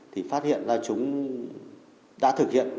thì phát hiện ra chúng đã thực hiện